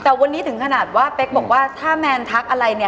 ใครต้องโดนโดด่าตลอดเนี่ย